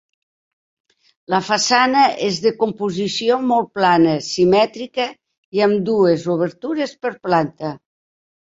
La façana és de composició molt plana, simètrica i amb dues obertures per planta.